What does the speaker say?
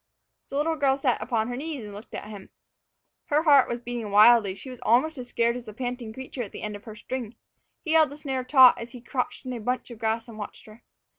The little girl sat upon her knees and looked at him. Her heart was beating wildly, and she was almost as scared as the panting creature at the end of her string. He held the snare taut as he crouched in a bunch of grass and watched her.